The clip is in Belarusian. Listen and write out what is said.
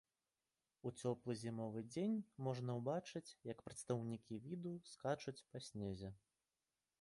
У цёплы зімовы дзень можна ўбачыць як прадстаўнікі віду скачуць па снезе.